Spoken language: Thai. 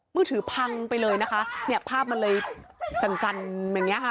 มือถือพังไปเลยนะคะเนี่ยภาพมันเลยสั่นอย่างเงี้ค่ะ